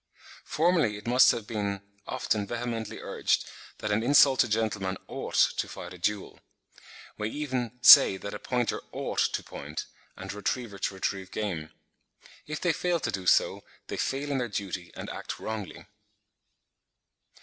Formerly it must have been often vehemently urged that an insulted gentleman OUGHT to fight a duel. We even say that a pointer OUGHT to point, and a retriever to retrieve game. If they fail to do so, they fail in their duty and act wrongly.